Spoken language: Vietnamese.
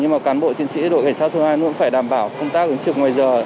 nhưng mà cán bộ chiến sĩ đội cảnh sát thường hành cũng phải đảm bảo công tác ứng dụng ngoài giờ